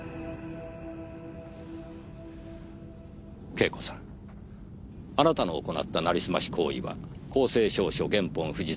慶子さんあなたの行った成りすまし行為は公正証書原本不実